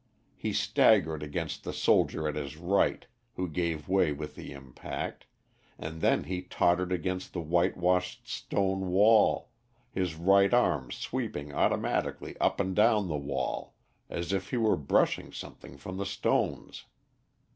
He staggered against the soldier at his right, who gave way with the impact, and then he tottered against the whitewashed stone wall, his right arm sweeping automatically up and down the wall as if he were brushing something from the stones.